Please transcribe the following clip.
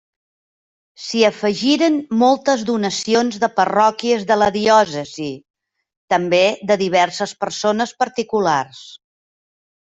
S'hi afegiren moltes donacions de parròquies de la diòcesi, també de diverses persones particulars.